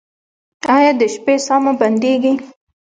ایا د شپې ساه مو بندیږي؟